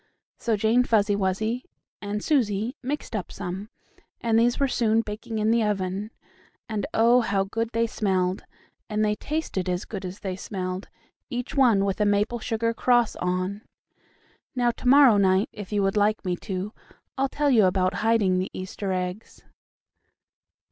So Jane Fuzzy Wuzzy and Susie mixed up some, and these were soon baking in the oven. And, oh, how good they smelled, and they tasted as good as they smelled, each one with a maple sugar cross on. Now, to morrow night, if you would like me to, I'll tell you about hiding the Easter eggs.